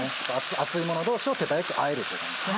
熱いもの同士を手早くあえるという感じですね。